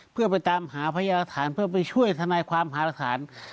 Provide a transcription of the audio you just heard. เพื่อไปตามหาพยาหลักฐานเพื่อไปช่วยทนายความหารักฐาน